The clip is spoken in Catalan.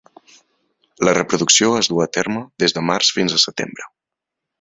La reproducció es du a terme des de març fins a setembre.